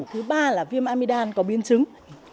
thứ ba là viêm amidam có biến chứng